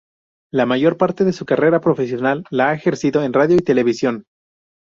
La mayor parte de su carrera profesional la ha ejercido en radio y televisión.